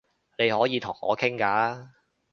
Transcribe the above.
你可以同我傾㗎